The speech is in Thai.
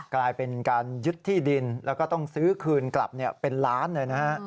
กลายเป็นการยึดที่ดินแล้วก็ต้องซื้อคืนกลับเป็นล้านเลยนะฮะ